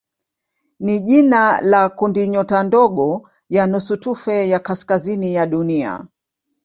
ni jina la kundinyota ndogo ya nusutufe ya kaskazini ya Dunia.